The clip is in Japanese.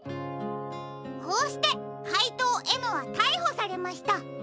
こうしてかいとうＭはたいほされました。